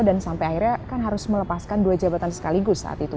dan sampai akhirnya kan harus melepaskan dua jabatan sekaligus saat itu